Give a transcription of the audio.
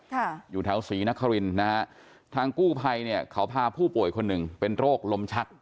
ค่ะอยู่แถวศรีนครินนะฮะทางกู้ภัยเนี่ยเขาพาผู้ป่วยคนหนึ่งเป็นโรคลมชัก